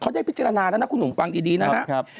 เขาได้พิจารณาแล้วนะคุณหนุ่มฟังดีนะครับ